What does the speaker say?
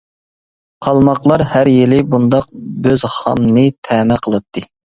قالماقلار ھەر يىلى بۇنداق بۆز-خامنى تەمە قىلاتتى.